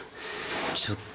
ちょっと。